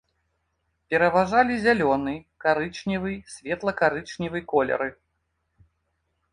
Пераважалі зялёны, карычневы, светла-карычневы колеры.